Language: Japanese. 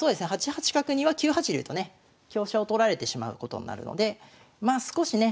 ８八角には９八竜とね香車を取られてしまうことになるので少しね